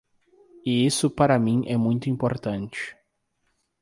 E isso para mim é muito importante.